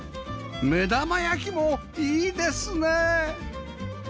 目玉焼きもいいですね！